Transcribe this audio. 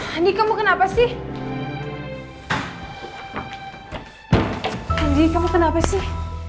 andi kamu kenapa sih andi kamu kenapa sih